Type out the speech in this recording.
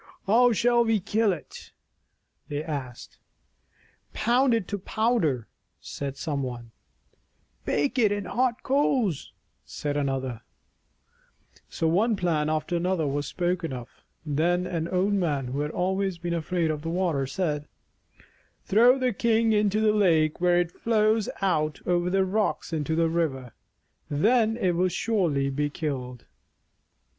"How shall we kill it?" they asked. IP HOW THE TURTLE SAVED HIS LIFE "Pound it to powder," said some one. "Bake it in hot coals/' said another. "Throw the thing into the lake." So one plan after another was spoken of. Then an old man who had always been afraid of the water said: "Throw the thing into the lake where it flows out over the rocks into the river. Then it will surely be killed."